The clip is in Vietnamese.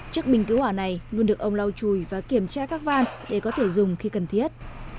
chiếc bình cứu hỏa này luôn được ông lau chùi và kiểm tra các van để có thể dùng khi cần thiết